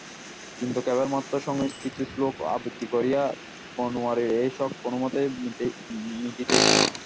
কিন্তু, কেবলমাত্র সংস্কৃত শ্লোক আবৃত্তি করিয়া বনোয়ারির এই শখ কোনোমতেই মিটিতেছে না।